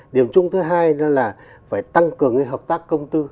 điểm chung thứ hai là phải tăng cường hợp tác công tư